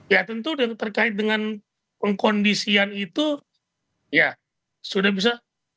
ya tentu terkait dengan pengkondisian itu ya sudah bisa